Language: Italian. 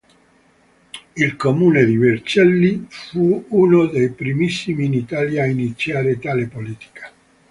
Il comune di Vercelli fu uno dei primissimi in Italia a iniziare tale politica.